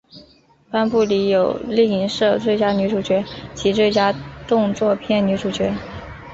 颁奖礼有另设最佳女主角及最佳动作片女主角。